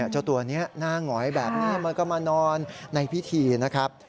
เจ้าตัวนี้หน้าหงอยแบบนี้มันก็มานอนในพิธีนะครับ